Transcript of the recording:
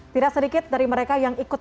tidak sedikit dari mereka yang ikut